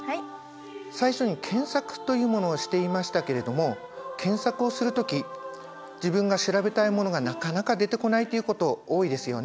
最初に検索というものをしていましたけれども検索をする時自分が調べたいものがなかなか出てこないということ多いですよね。